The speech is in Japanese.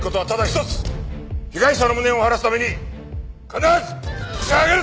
被害者の無念を晴らすために必ずホシを挙げる！